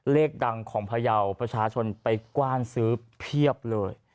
เลขดังของพยาวประชาชนไปกว้านซื้อเพียบเลย